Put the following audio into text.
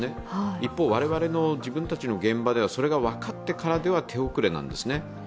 一方、我々の現場ではそれが分かってからでは手遅れなんですね。